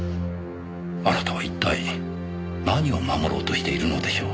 あなたは一体何を守ろうとしているのでしょう？